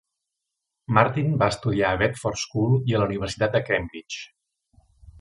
Martin va estudiar a Bedford School i a la Universitat de Cambridge.